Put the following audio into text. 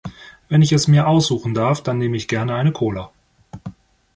Wenn ich es mir aussuchen darf, dann nehme ich gerne eine Cola.